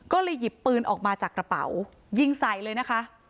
ก็เลยหยิบปืนออกมาจากกระเป๋ายิงใส่เลยนะคะ